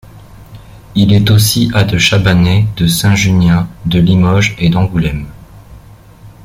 Il est aussi à de Chabanais, de Saint-Junien, de Limoges et d'Angoulême.